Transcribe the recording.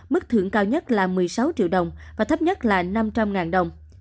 mức thưởng cao nhất là một mươi sáu triệu đồng và thấp nhất là năm trăm linh đồng